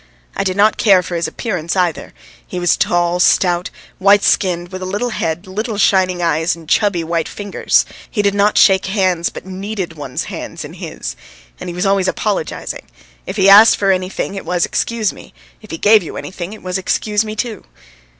I did not care for his appearance either. He was tall, stout, white skinned, with a little head, little shining eyes, and chubby white fingers. He did not shake hands, but kneaded one's hands in his. And he was always apologising. If he asked for anything it was "Excuse me"; if he gave you anything it was "Excuse me" too.